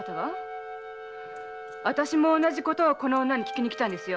あたしも同じことをこの女に訊きに来たんですよ。